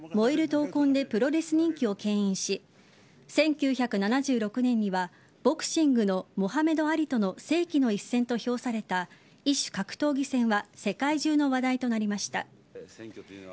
闘魂でプロレス人気をけん引し１９７６年にはボクシングのモハメド・アリとの世紀の一戦と評された異種格闘技戦は世界中の話題となりました。